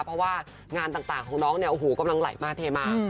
เพราะว่างานต่างของน้องเนี่ยโอ้โหกำลังไหลมาเทมา